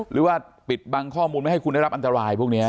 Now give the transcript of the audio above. หรือว่าปิดบังข้อมูลไม่ให้คุณได้รับอันตรายพวกนี้